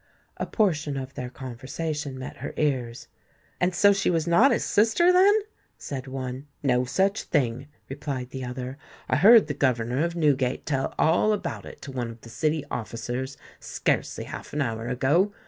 A portion of their conversation met her ears. "And so she was not his sister, then?" said one. "No such thing," replied the other. "I heard the governor of Newgate tell all about it to one of the City officers scarcely half an hour ago.